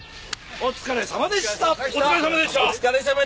お疲れさまでした！